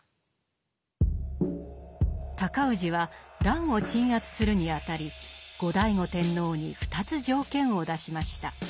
高氏は乱を鎮圧するにあたり後醍醐天皇に２つ条件を出しました。